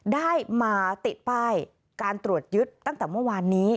ได้มาติดป้ายการตรวจยึดตั้งแต่เมื่อวานนี้